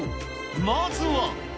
まずは。